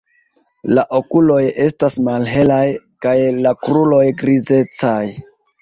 La okuloj estas malhelaj kaj la kruroj grizecaj.